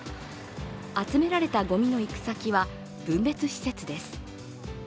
集められたごみの行き先は分別施設です。